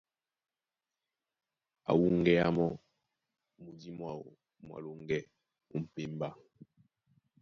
Á wúŋgéá mɔ́ mudî mwáō mwá loŋgɛ́ ó m̀pémbá.